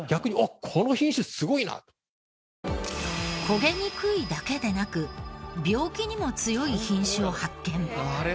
焦げにくいだけでなく病気にも強い品種を発見。